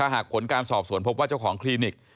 หากผลการสอบสวนพบว่าเจ้าของคลินิก